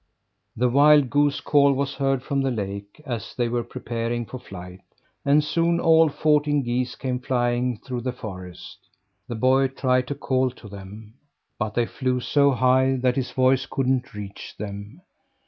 The wild goose call was heard from the lake, as they were preparing for flight; and soon all fourteen geese came flying through the forest. The boy tried to call to them, but they flew so high that his voice couldn't reach them.